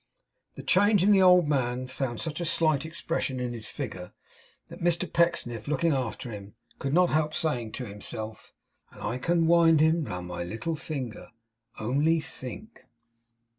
The change in the old man found such a slight expression in his figure, that Mr Pecksniff, looking after him, could not help saying to himself: 'And I can wind him round my little finger! Only think!